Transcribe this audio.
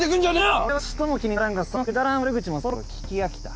俺はちっとも気にならんがそのくだらん悪口もそろそろ聞き飽きた。